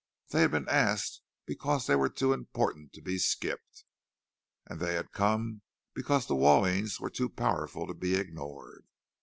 They had been asked because they were too important to be skipped, and they had come because the Wallings were too powerful to be ignored.